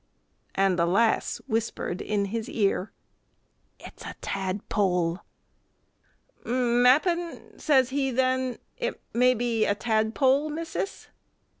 And the lass whispered in his ear: "It's a tadpole." "M'appen," says he then, "it may be a tadpole, missis."